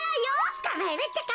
つかまえるってか！